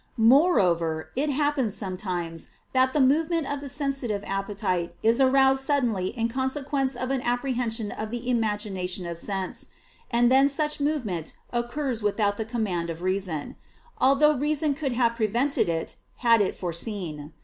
Moreover it happens sometimes that the movement of the sensitive appetite is aroused suddenly in consequence of an apprehension of the imagination of sense. And then such movement occurs without the command of reason: although reason could have prevented it, had it foreseen.